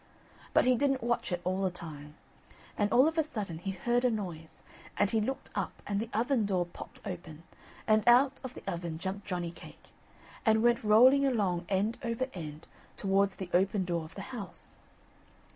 But he didn't watch it all the time, and all of a sudden he heard a noise, and he looked up and the oven door popped open, and out of the oven jumped Johnny cake, and went rolling along end over end, towards the open door of the house.